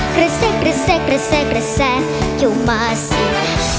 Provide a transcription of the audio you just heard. กระแสกระแสกระแสกระแสกระแสอยู่มาเสีย